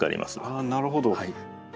ああなるほど。